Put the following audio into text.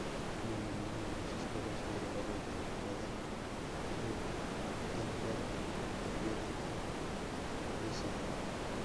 En Alemania, en los estados federados de Baden-Wurtemberg, Baviera y Hesse.